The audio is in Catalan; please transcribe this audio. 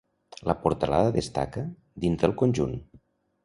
La portalada destaca, dins del conjunt.